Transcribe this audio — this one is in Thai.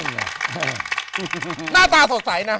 หน้าตาสดใสนะ